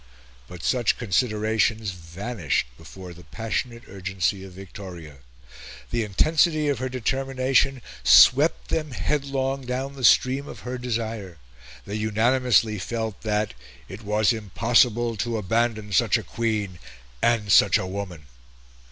But such considerations vanished before the passionate urgency of Victoria. The intensity of her determination swept them headlong down the stream of her desire. They unanimously felt that "it was impossible to abandon such a Queen and such a woman."